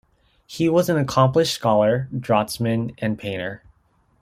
He was an accomplished scholar, draughtsman, and painter.